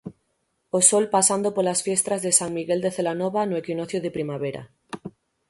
O sol pasando polas fiestras de San Miguel de Celanova no equinoccio de primavera.